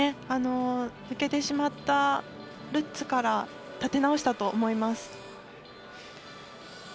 抜けてしまったルッツから立て直したと思います。